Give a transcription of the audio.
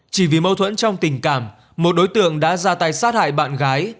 chỉ vì mâu thuẫn trong tình cảm một đối tượng đã ra tay sát hại bạn gái